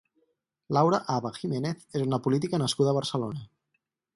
Laura Haba Jiménez és una política nascuda a Barcelona.